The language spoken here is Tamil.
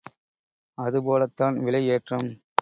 அதுபோலத்தான் விலை ஏற்றம்!